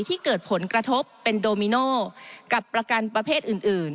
ที่เกิดผลกระทบเป็นโดมิโนกับประกันประเภทอื่น